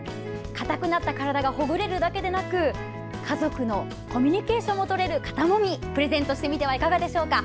硬くなった体がほぐれるだけでなく家族のコミュニケーションもとれる肩もみ、プレゼントしてみてはいかがでしょうか？